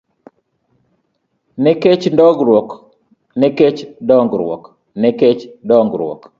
Nikech dongruok m